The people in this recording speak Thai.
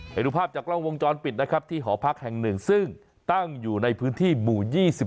ไปดูภาพจากกล้องวงจรปิดนะครับที่หอพักแห่งหนึ่งซึ่งตั้งอยู่ในพื้นที่หมู่๒